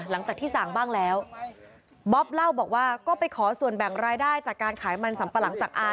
หลังจากที่สั่งบ้างแล้วบ๊อบเล่าบอกว่าก็ไปขอส่วนแบ่งรายได้จากการขายมันสัมปะหลังจากอา